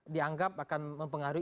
dianggap akan mempengaruhi